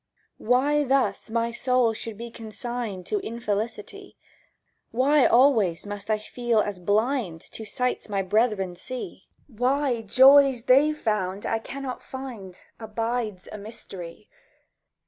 Why thus my soul should be consigned To infelicity, Why always I must feel as blind To sights my brethren see, Why joys they've found I cannot find, Abides a mystery.